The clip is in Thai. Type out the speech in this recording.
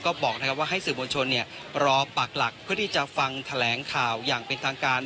ก็บอกว่าให้สื่อมวลชนรอปากหลักเพื่อที่จะฟังแถลงข่าวอย่างเป็นทางการ